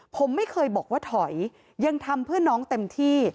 ผมไม่เคยบอกว่าถอยยังทำเพื่อน้องเต็มที่